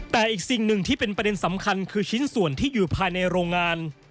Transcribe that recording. แต่อีกสิ่งหนึ่งที่เป็นประเด็นสำคัญคือชิ้นส่วนที่อยู่ภายในโรงงาน